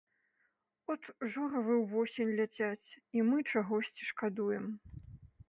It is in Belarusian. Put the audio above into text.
От жоравы ўвосень ляцяць, і мы чагосьці шкадуем.